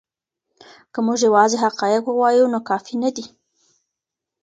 که موږ یوازې حقایق ووایو نو کافی نه دی.